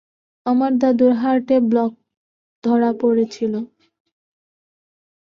আমার দাদুর হার্টে ব্লক ধরা পরেছিল।